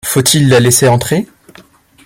Faut-il la laisser entrer ?